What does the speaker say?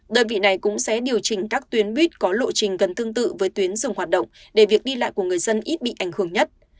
đơn vị này cũng sẽ điều chỉnh các tuyến buýt có lộ trình gần tương tự với tuyến dừng hoạt động để việc đi lại của người dân ít bị ảnh hưởng nhất